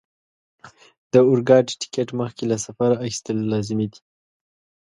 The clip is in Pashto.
د اورګاډي ټکټ مخکې له سفره اخیستل لازمي دي.